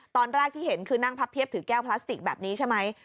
ตอนแรกที่เห็นคือนั่งพับเพียบถือแก้วพลาสติกแบบนี้ใช่ไหม